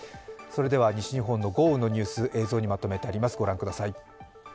西日本の豪雨のニュース映像にまとめてあります、ご覧ください。